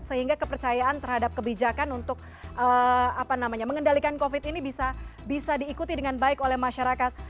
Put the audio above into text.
sehingga kepercayaan terhadap kebijakan untuk mengendalikan covid ini bisa diikuti dengan baik oleh masyarakat